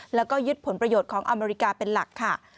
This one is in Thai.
แล้วก็ยึดผลประโยชน์ของอเมริกาเป็นหลักค่ะ